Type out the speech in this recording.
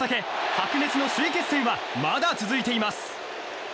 白熱の首位決戦はまだ続いています。